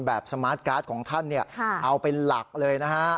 สมาร์ทการ์ดของท่านเอาเป็นหลักเลยนะฮะ